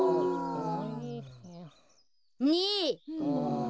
ねえ！